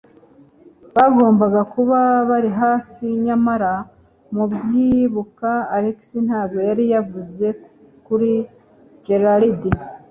Bagomba kuba bari hafi, nyamara, mubyibuka, Alex ntabwo yari yavuze kuri Gerald.